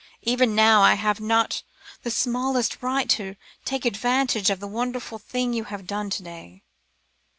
"Even now I have not the smallest right to take advantage of the wonderful thing you have done to day.